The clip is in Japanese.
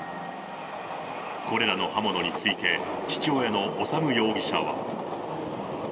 これらの刃物について、父親の修容疑者は。